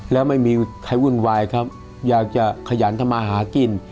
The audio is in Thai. แล้วไม่มีใครวุ่นวายครับอยากจะขยันทำมาหากิน